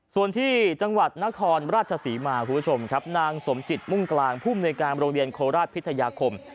ส่วนที่จังหวัดนครราชศรีมาคุณผู้ชมครับนางสมจิตมุ่งกลางภูมิในการโรงเรียนโคราชพิทยาคม